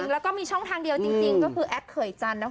แล้วก็มีช่องทางเดียวจริงก็คือแอคเขยจันทร์นะคุณ